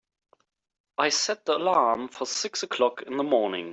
I set the alarm for six o'clock in the morning.